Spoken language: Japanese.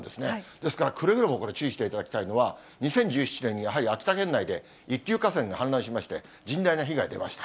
ですから、くれぐれもこれ、注意していただきたいのは、２０１７年にやはり秋田県内で１級河川が氾濫しまして、甚大な被害出ました。